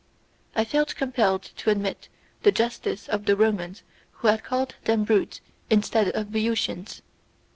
I felt compelled to admit the justice of the Romans who had called them Brutes instead of Byutians.